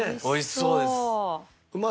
美味しそうです。